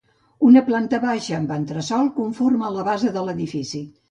Una planta baixa amb entresòl conforma la base de l'edifici.